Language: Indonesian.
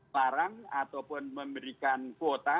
barang ataupun memberikan kuota